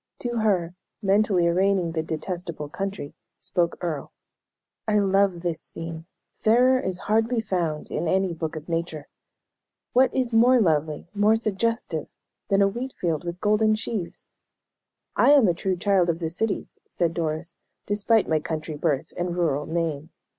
To her, mentally arraigning "the detestable country," spoke Earle: "I love this scene; fairer is hardly found in any book of nature. What is more lovely, more suggestive, than a wheat field with golden sheaves?" "I am a true child of the cities," said Doris, "despite my country birth and rural name.